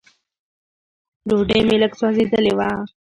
ډوډۍ مې لږ سوځېدلې وه.